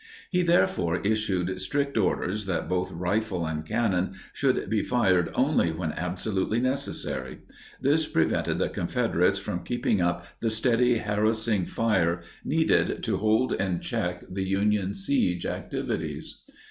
He therefore issued strict orders that both rifle and cannon should be fired only when absolutely necessary. This prevented the Confederates from keeping up the steady, harassing fire needed to hold in check the Union siege activities.